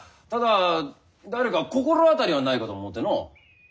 ただ誰か心当たりはないかと思うてのう。